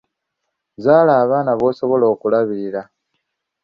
Zzaala abaana b'osobola okulabirira.